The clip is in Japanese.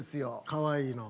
かわいいの。